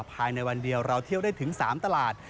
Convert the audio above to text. ภายในวันเดียวเราเที่ยวได้ถึง๓ตลาด